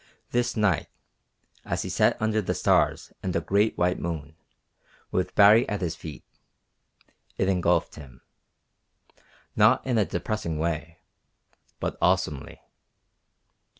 This night, as he sat under the stars and a great white moon, with Baree at his feet, it engulfed him; not in a depressing way, but awesomely.